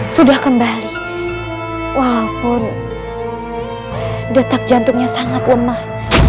sudah kembali walaupun detak jantungnya sangat lemah